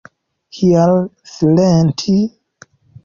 Kial silenti?